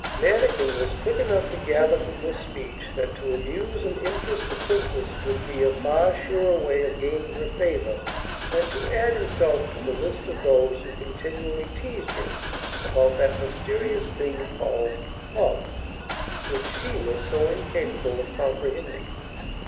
Mannikin was quick enough to gather from this speech that to amuse and interest the Princess would be a far surer way of gaining her favour than to add himself to the list of those who continually teased her about that mysterious thing called 'love' which she was so incapable of comprehending.